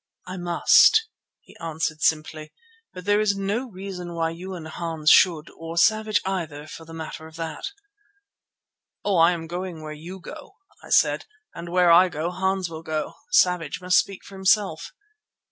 "I must," he answered simply, "but there is no reason why you and Hans should, or Savage either for the matter of that." "Oh! I'm going where you go," I said, "and where I go Hans will go. Savage must speak for himself."